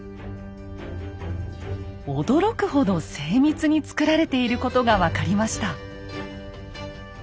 驚くほど精密につくられていることが分かりました。